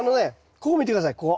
ここ見て下さいここ。